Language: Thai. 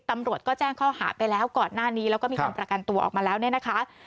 ตำรวจก็แจ้งข้อหาไปแล้วก่อนหน้านี้แล้วก็มีการประกันตัวออกมาแล้วเนี่ยนะคะ